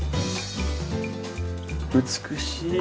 美しい。